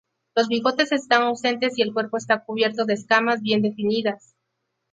Los bigotes están ausentes y el cuerpo está cubierto de escamas bien definidas.